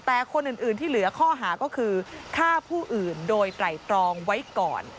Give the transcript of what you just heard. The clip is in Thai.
แต่คนอื่นที่เหลือข้อหาก็คือฆ่าผู้อื่นโดยไตรตรองไว้ก่อน